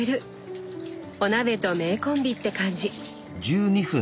お鍋と名コンビって感じ。